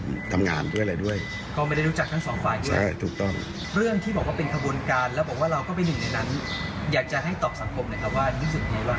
นี่ผมไม่ค่อยยินยันดีกว่านะ